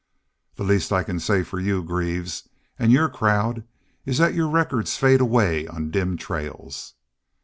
The least I can say for you, Greaves, an' your crowd, is that your records fade away on dim trails.'